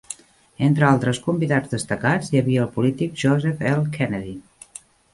Entre altres convidats destacats hi havia el polític Joseph L. Kennedy.